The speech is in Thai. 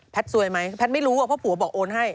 แพทย์ซวยไหมแพทย์ไม่รู้เพราะผัวบอกโอนให้